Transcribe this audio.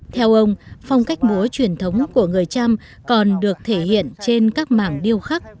theo ông phong cách múa truyền thống của người trăm còn được thể hiện trên các mảng điêu khắc